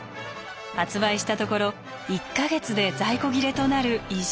発売したところ１か月で在庫切れとなる異常事態に。